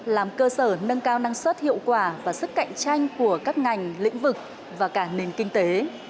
làm cơ sở nâng cao năng suất hiệu quả và sức cạnh tranh của các ngành lĩnh vực và cả nền kinh tế